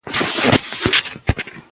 ماشوم د مور له پاملرنې امن احساس کوي.